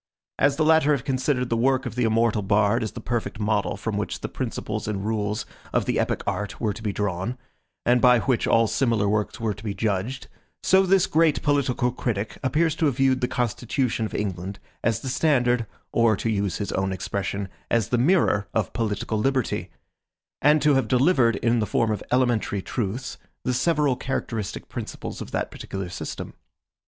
As the latter have considered the work of the immortal bard as the perfect model from which the principles and rules of the epic art were to be drawn, and by which all similar works were to be judged, so this great political critic appears to have viewed the Constitution of England as the standard, or to use his own expression, as the mirror of political liberty; and to have delivered, in the form of elementary truths, the several characteristic principles of that particular system.